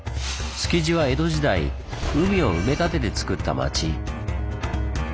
築地は江戸時代海を埋め立ててつくった町。